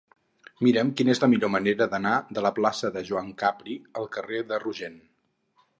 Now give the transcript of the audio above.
Mira'm quina és la millor manera d'anar de la plaça de Joan Capri al carrer de Rogent.